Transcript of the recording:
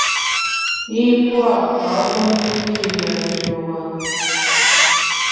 Yî pua’ pavem yî nda lérewa.